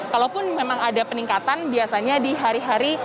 kalaupun memang ada peningkatan biasanya di hari hari